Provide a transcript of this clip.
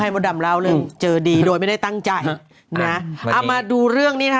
ให้มาดำราวนึงเจอดีโดยไม่ได้ตั้งใจนะเอามาดูเรื่องนี้น่ะ